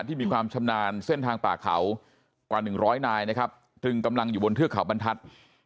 ที่มีความชำนาญเส้นทางป่าเขากว่า๑๐๐นายนะครับตรึงกำลังอยู่บนเทือกเขาบรรทัศน์